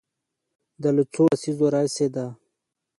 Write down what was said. دا له څو لسیزو راهیسې ده.